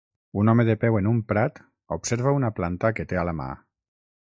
Un home de peu en un prat observa una planta que té a la mà.